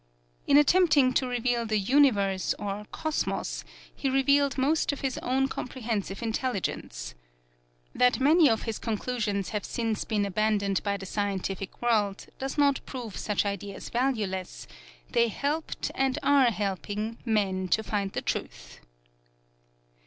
In attempting to reveal the Universe or "Cosmos," he revealed most of his own comprehensive intelligence. That many of his conclusions have since been abandoned by the scientific world does not prove such ideas valueless they helped and are helping men to find the truth.